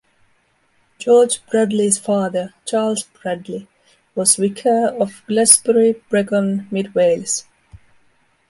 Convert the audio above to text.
George Bradley's father, Charles Bradley, was vicar of Glasbury, Brecon, mid Wales.